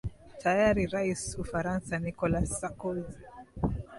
tayari rais ufaransa nicholas sarkozy